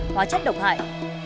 hóa chất độc hại